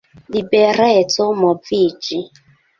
Libereco moviĝi.